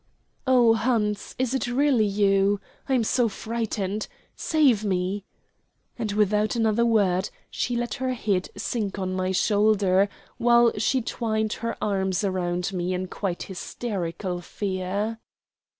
"Oh, Hans, is it really you? I am so frightened. Save me." And without another word she let her head sink on my shoulder, while she twined her arms round me in quite hysterical fear.